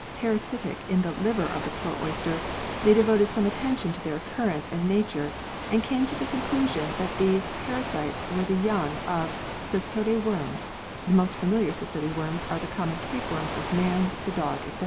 10) parasitic in the "liver" of the pearl oyster, they devoted some attention to their occurrence and nature, and came to the conclusion that these para sites were the young of cestode worms (the most familiar cestode worms are the common tapeworms of man, the dog, etc.)